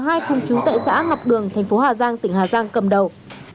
cả hai khung trú tại xã ngọc đường tp hà giang tỉnh hà giang cầm đầu